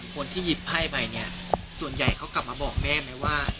คนที่หยิบไพ่ไปเนี่ยส่วนใหญ่เขากลับมาบอกแม่ไหมว่า